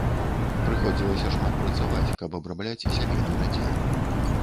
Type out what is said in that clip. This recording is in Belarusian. Прыходзілася шмат працаваць, каб абрабляць сямейны надзел.